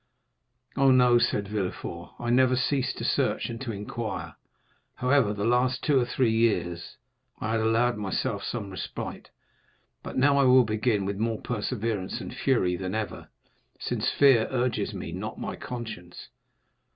"Oh, no," said Villefort; "I never ceased to search and to inquire. However, the last two or three years I had allowed myself some respite. But now I will begin with more perseverance and fury than ever, since fear urges me, not my conscience."